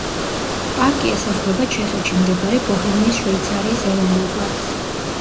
პარკი ესაზღვრება ჩეხეთში მდებარე ბოჰემიის შვეიცარიის ეროვნულ პარკს.